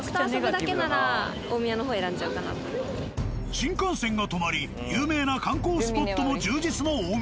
新幹線が止まり有名な観光スポットも充実の大宮。